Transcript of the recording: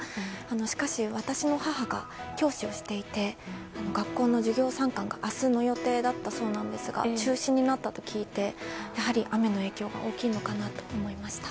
しかし、私の母が教師をしていて学校の授業参観が明日の予定だったそうなんですが中止になったと聞いてやはり雨の影響が大きいのかなと思いました。